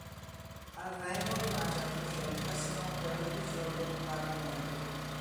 Al re non rimase altra scelta se non quella di sciogliere il Parlamento.